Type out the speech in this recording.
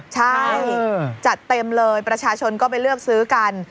ใช่จัดเต็มเลยประชาชนก็ไปเลือกซื้อกัน